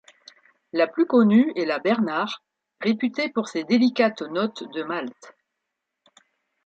La plus connue est la Bernard, réputée pour ses délicates notes de malt.